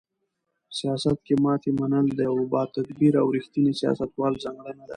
سیاست کې ماتې منل د یو باتدبیره او رښتیني سیاستوال ځانګړنه ده.